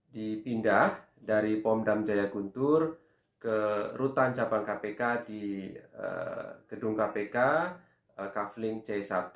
dipindah dari pom dam jaya guntur ke rutan cabang kpk di gedung kpk kafling c satu